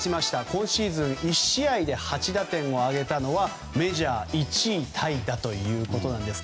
今シーズン１試合で８打点を挙げたのはメジャー１位タイだということです。